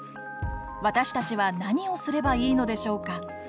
私たちは何をすればいいのでしょうか。